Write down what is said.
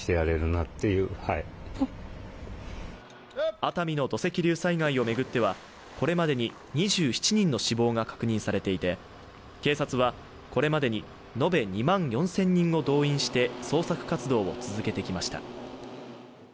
熱海の土石流災害を巡ってはこれまでに２７人の死亡が確認されていて警察はこれまでに延べ２万４０００人を動員して捜索活動を続けてきました。